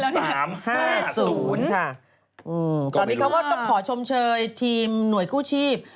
ตอนนี้เขาก็ต้องขอชมเชยทีมหน่วยกู้ชีพ